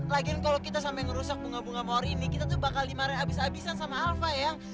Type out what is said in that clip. lagian kalau kita sampe ngerusak bunga bunga mawar ini kita tuh bakal dimarahin abis abisan sama alva yang